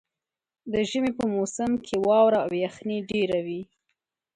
د ژمي په موسم کې واوره او یخني ډېره وي.